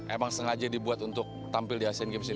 emang sengaja dibuat untuk tampil di asean games ini